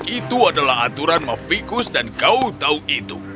itu adalah aturan mafikus dan kau tahu itu